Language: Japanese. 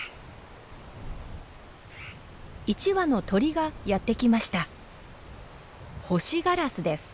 １羽の鳥がやって来ました。